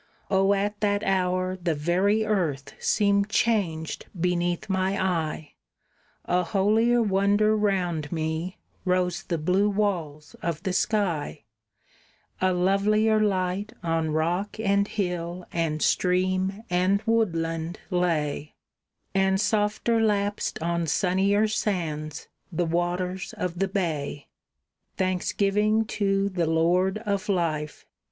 Oh, at that hour the very earth seemed changed beneath my eye, A holier wonder round me rose the blue walls of the sky, A lovelier light on rock and hill and stream and woodland lay, And softer lapsed on sunnier sands the waters of the bay. Thanksgiving to the Lord of life!